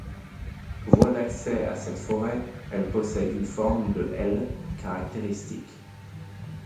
Voie d'accès à cette forêt, elle possède une forme de L caractéristique.